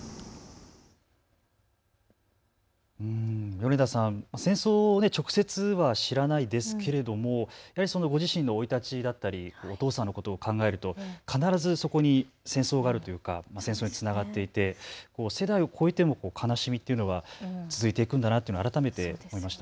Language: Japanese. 米田さん、戦争を直接は知らないですけれどもご自身の生い立ちだったりお父さんのことを考えると必ずそこに戦争があるというか戦争につながっていて世代を超えても悲しみというのは続いていくんだなと改めて思いました。